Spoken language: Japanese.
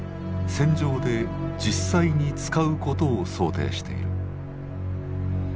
戦場で実際に使うことを想定している。